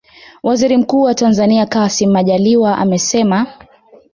Waziri mkuu wa Tanzania Kassim Majaliwa amesema